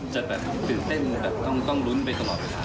จะตื่นเต้นต้องรุ้นไปตลอดเวลา